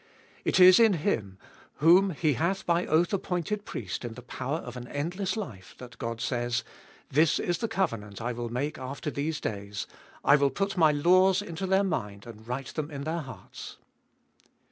It is in Him, whom He hath by oath appointed Priest in the power of an endless life, that God says : This is the covenant I will make after these days : I will put my laws into their mind and write them in their hearts.